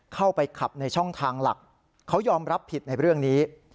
เข้าไปขับในช่องทางหลักเขายอมรับผิดในเรื่องนี้